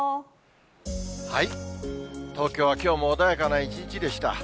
東京はきょうも穏やかな一日でした。